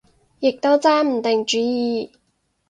亦都揸唔定主意